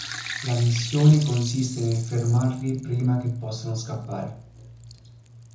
La missione consiste nel fermarli prima che possano scappare.